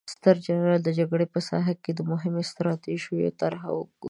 ستر جنرال د جګړې په ساحه کې د مهمو ستراتیژیو طرحه ورکوي.